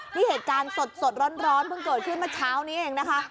นี่เหตุการณ์สดร้อนเพิ่งเกิดขึ้นเมื่อเช้านี้เองนะคะ